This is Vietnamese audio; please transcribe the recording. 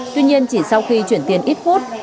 tuy nhiên chỉ sau khi chuyển tiền ít hút